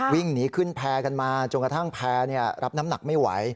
วิ่งหนีขึ้นแพร่กันมาจนกระทั่งแพร่รับน้ำหนักไม่ไหว